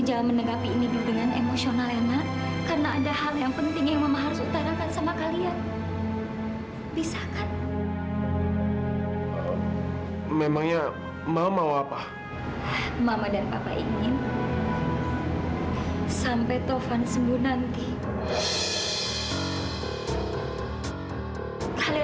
aku gak akan ngebiarin edo memiliki aku dari si cantik